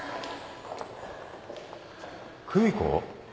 久美子？